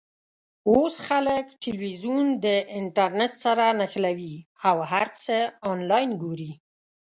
اوس خلک ټلویزیون د انټرنېټ سره نښلوي او هر څه آنلاین ګوري.